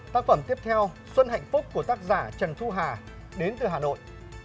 tác phẩm tiếp theo xuân hạnh phúc của tác giả trần thu hà đến từ hà nội